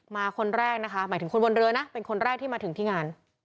คนแรกนะคะหมายถึงคนบนเรือนะเป็นคนแรกที่มาถึงที่งาน